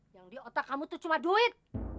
yang di otak kamu tuh cuma duit